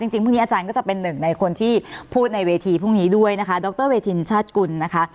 จริงพรุ่งนี้อาจารย์ก็จะเป็นหนึ่งในคนที่พูดในเวทีพรุ่งนี้ด้วยนะคะดรเวทินชาติกุลนะคะ